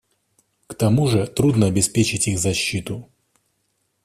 К тому же трудно обеспечить их защиту.